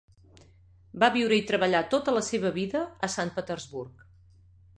Va viure i treballar tota la seva vida a Sant Petersburg.